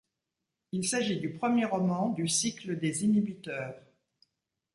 Il s’agit du premier roman du cycle des Inhibiteurs.